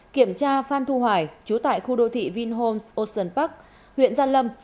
kiểm tra phan thu hoài chú tại khu đô thị vinhomes ocean park huyện giàn lâm